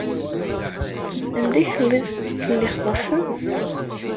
Anda ay telliḍ tettkellixeḍ-asen?